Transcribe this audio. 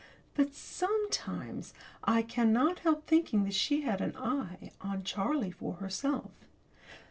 but, sometimes, I cannot help thinking that she had an eye on Charlie for herself.